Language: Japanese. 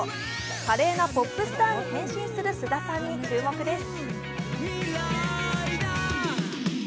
華麗なポップスターに変身する菅田さんに注目です。